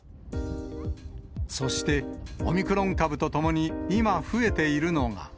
そして、オミクロン株とともに今、増えているのが。